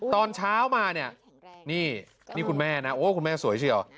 ตอนเช้ามานี่คุณแม่นะโอ้คุณแม่สวยใช่หรอ